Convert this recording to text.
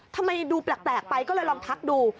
ทำไมดูแปลกไปก็เลยลองทักดู